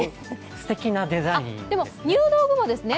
すてきなデザインですね。